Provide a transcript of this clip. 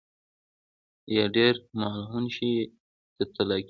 یا ډېر ملعون شي ته اطلاقېږي.